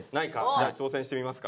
じゃあ挑戦してみますか？